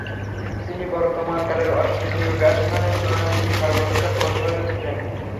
তিনি বর্তমানকালের অস্ট্রেলীয় ব্যাটসম্যানের তুলনায় তিনি সর্বাপেক্ষা প্রতিভাধর ছিলেন।